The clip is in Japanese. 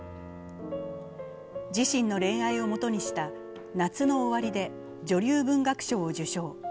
自身の恋愛を元にした「夏の終り」で女流文学賞を受賞。